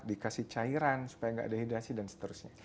dikasih cairan supaya nggak dehidrasi dan seterusnya